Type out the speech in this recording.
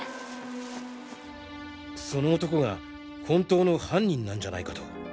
その男が本当の犯人なんじゃないかと。